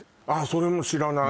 それも知らない